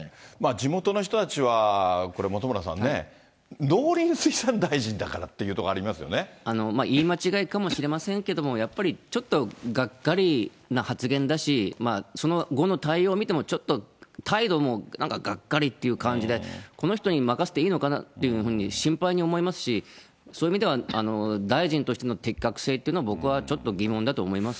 地元の人たちはこれ、本村さんね、農林水産大臣だからという言い間違いかもしれませんけども、やっぱりちょっとがっかりな発言だし、その後の対応を見ても、ちょっと態度もなんかがっかりっていう感じで、この人に任せていいのかなっていうふうに心配に思いますし、そういう意味では、大臣としての適格性というのは、僕はちょっと疑問だと思います。